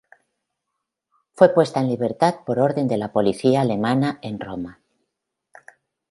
Fue puesta en libertad por orden de la policía alemana en Roma.